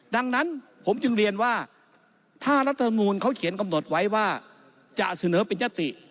ดังนั้นผมจึงเรียนว่าถ้ารัฐมนูลเขาเขียนกำหนดไว้ว่าจะเสนอเป็นยติ